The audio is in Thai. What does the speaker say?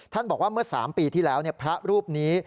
บอกว่าเมื่อ๓ปีที่แล้วพระรูปนี้